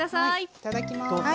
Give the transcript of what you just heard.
いただきます。